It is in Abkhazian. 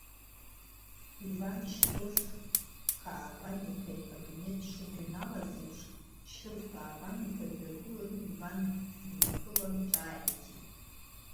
Иван Шьрыф Каабан-иԥа икабинет дшыныҩналаз еиԥш, Шьрыф Каабан-иԥа дҩагыланы, Иван днеиԥылан ҿааиҭит…